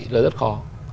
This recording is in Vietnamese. là rất khó